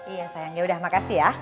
iya sayang yaudah makasih ya